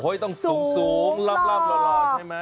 โอ้ยต้องสูงหลับหล่อใช่ไหม